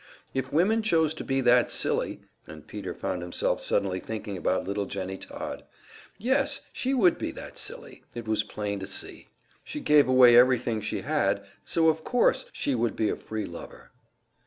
If women chose to be that silly and Peter found himself suddenly thinking about little Jennie Todd. Yes, she would be that silly, it was plain to see. She gave away everything she had; so of course she would be a "free lover!"